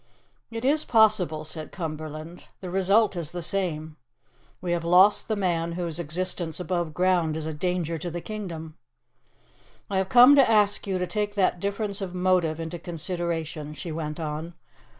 "It is possible," said Cumberland. "The result is the same. We have lost the man whose existence above ground is a danger to the kingdom." "I have come to ask you to take that difference of motive into consideration," she went on.